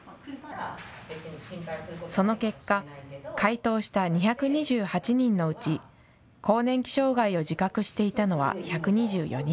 その結果、回答した２２８人のうち、更年期障害を自覚していたのは１２４人。